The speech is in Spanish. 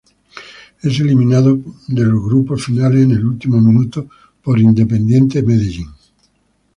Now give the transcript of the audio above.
Es eliminado de los grupos finales en el último minuto por Independiente Medellín.